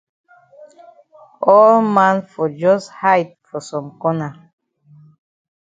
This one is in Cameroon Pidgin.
All man fon jus hide for some corner.